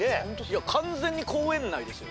いや完全に公園内ですよ。